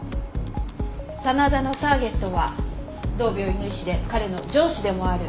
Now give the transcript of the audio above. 真田のターゲットは同病院の医師で彼の上司でもある益子博文５０歳。